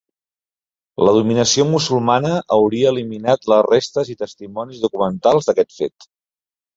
La dominació musulmana hauria eliminat les restes i testimonis documentals d'aquest fet.